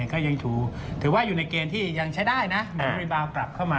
ก็ยังถือว่าอยู่ในเกณฑ์ที่ยังใช้ได้นะเหมือนบริบาลกลับเข้ามา